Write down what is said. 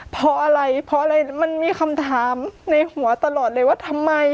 เพราะอะไรเพราะอะไรมันมีคำถามในหัวตลอดเลยว่าทำไม